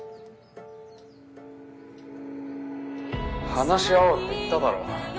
話し合おうって言っただろ。